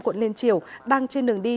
quận liên triều đang trên đường đi